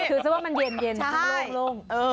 คือซะว่ามันเย็นโล่ง